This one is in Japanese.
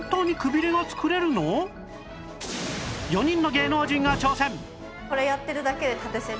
４人の芸能人が挑戦！